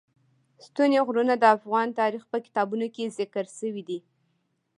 ستوني غرونه د افغان تاریخ په کتابونو کې ذکر شوی دي.